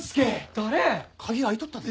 鍵開いとったで。